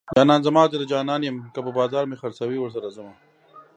جانان زما زه د جانان یم که په بازار مې خرڅوي ورسره ځمه